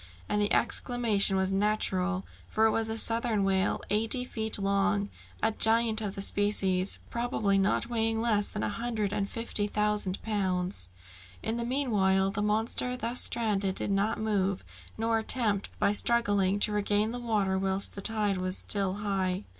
And the exclamation was natural, for it was a southern whale, eighty feet long, a giant of the species, probably not weighing less than a hundred and fifty thousand pounds! In the meanwhile, the monster thus stranded did not move, nor attempt by struggling to regain the water whilst the tide was still high.